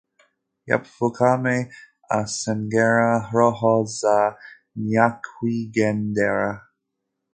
Yapfukamye asengera roho za nyakwigendera.